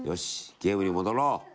ゲームに戻ろう！